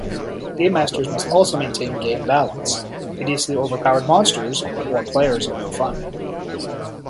Gamemasters must also maintain game balance: hideously overpowered monsters "or" players are no fun.